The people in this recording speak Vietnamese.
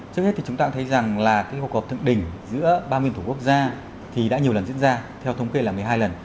trước hết thì chúng ta thấy rằng là hội hợp thượng đỉnh giữa ba nguyên thủ quốc gia thì đã nhiều lần diễn ra theo thống kê là một mươi hai lần